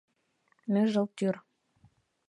Ныжыл тӱр.